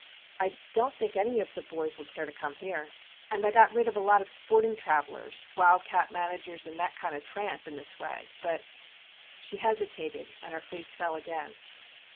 I don't think any of the boys would care to come here. And I got rid of a lot of sport ing travellers, ' wild cat ' managers, and that kind of tramp in this way. But ' she hesitated, and her face fell again.